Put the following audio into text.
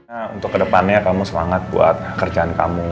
nah untuk kedepannya kamu selangat buat kerjaan kamu